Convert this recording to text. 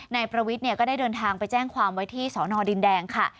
นายประวิทย์ก็ได้เดินทางไปแจ้งความไว้ที่สอนอดินแดงค่ะ